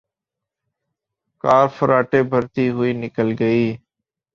کار فراٹے بھرتی ہوئے نکل گئی۔